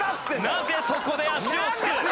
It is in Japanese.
なぜそこで足をつく？